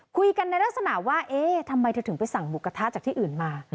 คุยกันในลักษณะว่าเอ๊ะทำไมเธอถึงไปสั่งหมูกระทะจากที่อื่นมา